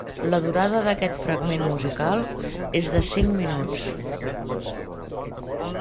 La durada d'aquest fragment musical és de cinc minuts.